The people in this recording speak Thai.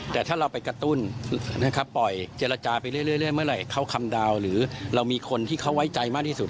ต้นนะครับปล่อยเจรจาไปเรื่อยเมื่อไหร่เขาคำดาวน์หรือเรามีคนที่เขาไว้ใจมากที่สุด